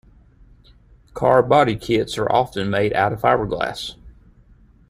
Car body kits are often made out of fiberglass.